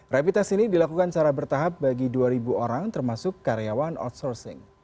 rapid test ini dilakukan secara bertahap bagi dua orang termasuk karyawan outsourcing